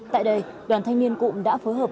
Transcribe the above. tại đây đoàn thanh niên cụm đã phối hợp